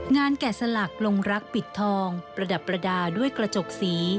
แกะสลักลงรักปิดทองประดับประดาษด้วยกระจกสี